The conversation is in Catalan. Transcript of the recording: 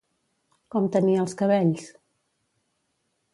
Com tenia els cabells?